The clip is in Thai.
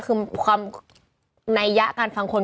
คือความนัยยะการฟังคน